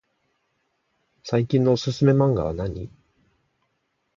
最近のおすすめマンガはなに？